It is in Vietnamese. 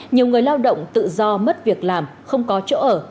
nhiều người lao động tự do mất việc làm không có chỗ ở